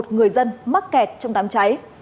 một mươi một người dân mắc kẹt trong đám cháy